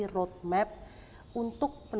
roadmap untuk penerapan